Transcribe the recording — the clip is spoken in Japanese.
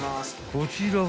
［こちらは］